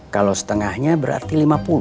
kalau setengahnya berarti lima puluh